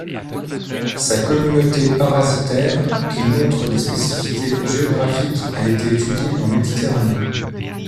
Sa communauté parasitaire, qui montre des spécificités géographiques, a été étudiée en Méditerranée.